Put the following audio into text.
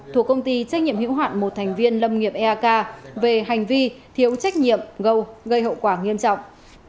thuộc công ty trách nhiệm hữu hạn một thành viên lâm nghiệp eak về hành vi thiếu trách nhiệm gâu gây hậu quả nghiêm trọng